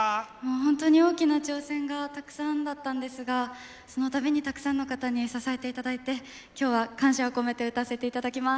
本当に大きな挑戦がたくさんだったんですがそのたびにたくさんの方に支えていただいて今日は感謝を込めて歌わせていただきます。